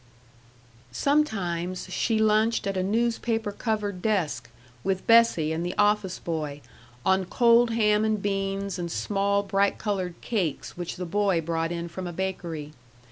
Sometimes she lunched at a newspaper covered desk, with Bessie and the office boy, on cold ham and beans and small, bright colored cakes which the boy brought in from a bakery.